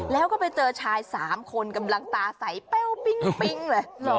แล้วก็ไปเจอชาย๓คนกำลังตาใสเป้วปิ๊งเลย